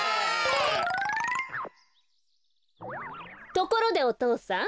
ところでおとうさん。